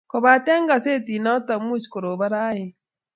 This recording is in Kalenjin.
Kobata kasetit noto, much koroban raini